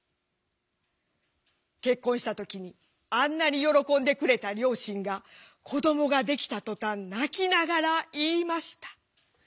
結婚した時にあんなに喜んでくれた両親が子どもができたとたん泣きながら言いました。